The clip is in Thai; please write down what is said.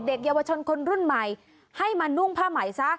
เยาวชนคนรุ่นใหม่ให้มานุ่งผ้าใหม่ซะ